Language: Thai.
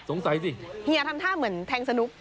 สิเฮียทำท่าเหมือนแทงสนุก